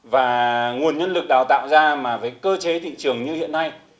và nguồn nhân lực đào tạo ra mà với cơ chế thị trường như hiện nay